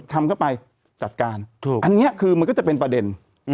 ทำเข้าไปจัดการอันนี้คือมันก็จะเป็นประเด็น